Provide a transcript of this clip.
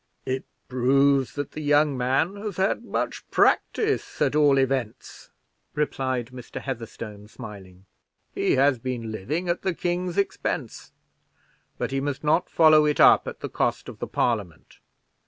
"It proves that the young man has had much practice, at all events," replied Mr. Heatherstone, smiling. "He has been living at the king's expense, but he must not follow it up at the cost of the Parliament.